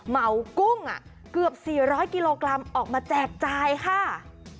เหมากุ้งเกือบ๔๐๐กิโลกรัมออกมาแจกจ่ายค่ะ